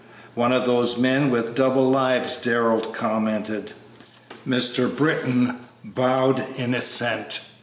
"One of those men with double lives," Darrell commented. Mr. Britton bowed in assent.